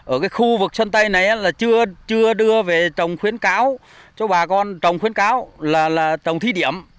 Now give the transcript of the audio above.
ở cái khu vực sân tây này là chưa đưa về trồng khuyến cáo cho bà con trồng khuyến cáo là trồng thí điểm